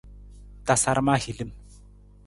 Tasaram ahilim.